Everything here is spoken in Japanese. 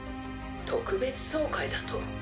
特別総会だと？